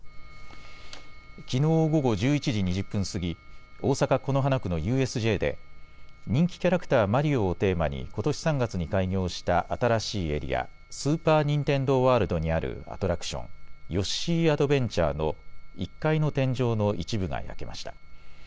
きのう午後１１時２０分過ぎ、大阪此花区のＵＳＪで人気キャラクター、マリオをテーマにことし３月に開業した新しいエリア、スーパー・ニンテンドー・ワールドにあるアトラクション、ヨッシー・アドベンチャーの１階の天井の一部が焼けました。